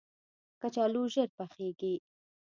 کچالو ژر پخیږي